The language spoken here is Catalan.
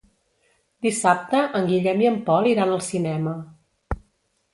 Dissabte en Guillem i en Pol iran al cinema.